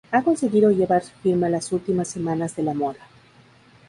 Ha conseguido llevar su firma a las últimas semanas de la moda.